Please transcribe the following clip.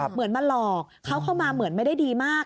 เหมือนมาหลอกเขาเข้ามาเหมือนไม่ได้ดีมาก